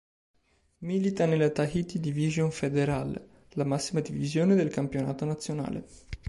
Milita nella Tahiti Division Fédérale, la massima divisione del campionato nazionale.